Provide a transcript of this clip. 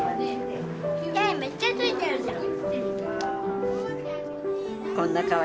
手めっちゃついてるじゃん。